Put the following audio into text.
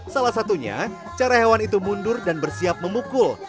salah satunya cara hewan itu mundur dan bersiap memukul